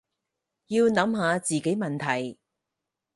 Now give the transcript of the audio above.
要諗下自己問題